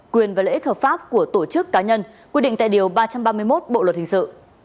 quyền và lợi ích hợp pháp của tổ chức cá nhân quy định tại điều ba trăm ba mươi một bộ luật hình sự